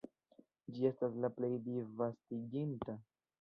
Ĝi estas la plej disvastiĝinta.